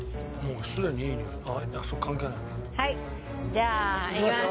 はいじゃあいきます。